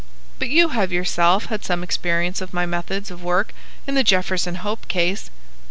But you have yourself had some experience of my methods of work in the Jefferson Hope case."